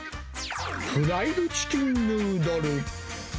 フライドチキンヌードル。